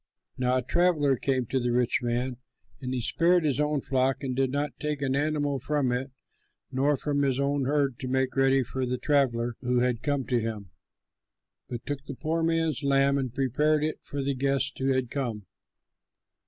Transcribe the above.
"Now a traveller came to the rich man; and he spared his own flock and did not take an animal from it nor from his own herd to make ready for the traveller who had come to him, but took the poor man's lamb and prepared it for the guest who had come."